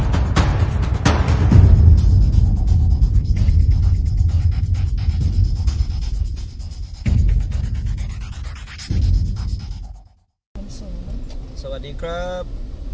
ยาสวัสดีครับสวัสดีครับ